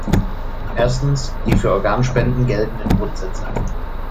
Erstens, die für Organspenden geltenden Grundsätze.